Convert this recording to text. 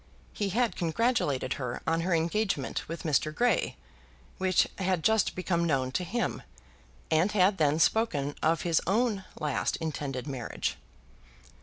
He had congratulated her on her engagement with Mr. Grey, which had just become known to him, and had then spoken of his own last intended marriage.